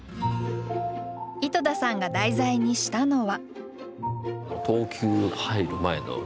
井戸田さんが題材にしたのは。